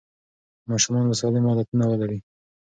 ماشومان به سالم عادتونه ولري.